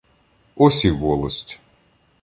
Ось і волость.